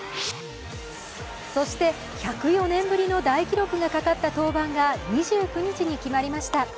そして１０４年ぶりの大記録がかかった登板が２９日に決まりました。